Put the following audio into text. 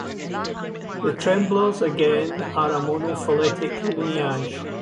The tremblers, again, are a monophyletic lineage.